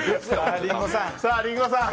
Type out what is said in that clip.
さあ、リンゴさん。